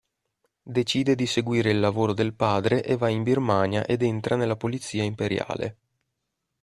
Decide di seguire il lavoro del padre e va in Birmania ed entra nella Polizia Imperiale.